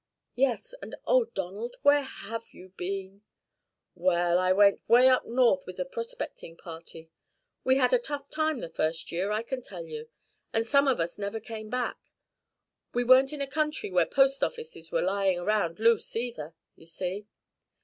"Yes, and, oh, Donald, where have you been?" "Well, I went way up north with a prospecting party. We had a tough time the first year, I can tell you, and some of us never came back. We weren't in a country where post offices were lying round loose either, you see.